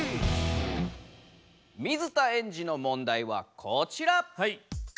水田エンジの問題はこちら！